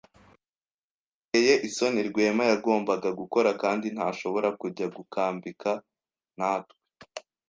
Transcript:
Biteye isoni Rwema yagombaga gukora kandi ntashobora kujya gukambika natwe.